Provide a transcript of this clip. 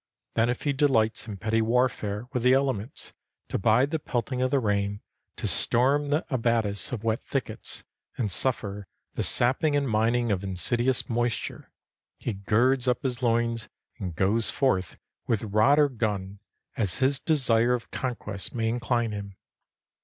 Then if he delights in petty warfare with the elements, to bide the pelting of the rain, to storm the abatis of wet thickets and suffer the sapping and mining of insidious moisture, he girds up his loins and goes forth with rod or gun, as his desire of conquest may incline him.